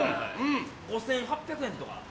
５８００円とか。